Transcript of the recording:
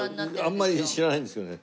あんまり知らないんですけどね。